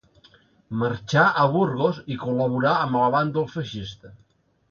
Marxà a Burgos i col·laborà amb el bàndol feixista.